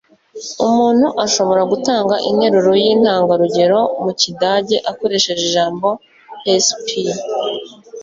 umuntu ashobora gutanga interuro yintangarugero mu kidage akoresheje ijambo beispiel